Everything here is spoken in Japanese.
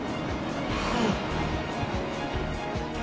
はい。